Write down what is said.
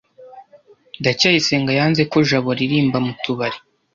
ndacyayisenga yanze ko jabo aririmba mu tubari